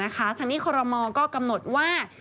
ทางนี้คอรมอลก็กำหนดว่า